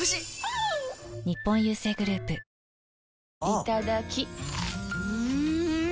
いただきっ！